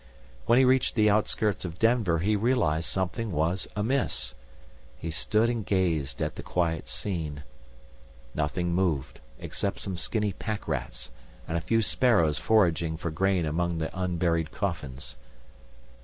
When he reached the outskirts of Denver he realized something was amiss. He stood and gazed at the quiet scene. Nothing moved except some skinny packrats and a few sparrows foraging for grain among the unburied coffins.